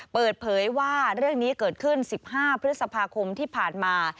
เปิดเผยว่าเรื่องนี้เกิดขึ้น๑๕พฤษภาคมที่ผ่านมา